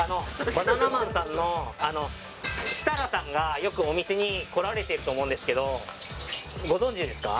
バナナマンさんの設楽さんがよくお店に来られていると思うんですけどご存じですか？